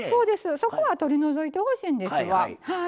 そこは取り除いてほしいんですわ。